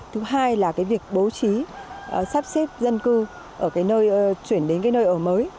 thứ hai là cái việc bố trí sắp xếp dân cư ở cái nơi chuyển đến cái nơi ở mới